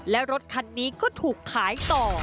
และรถคันนี้ก็ถูกขายต่อ